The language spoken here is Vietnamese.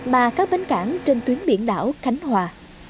và các bến cảng trên tuyến biển đảo khánh hòa